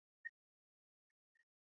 萨满教仪式大多会以火献祭。